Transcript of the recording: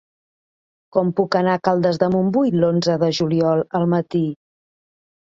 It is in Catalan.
Com puc anar a Caldes de Montbui l'onze de juliol al matí?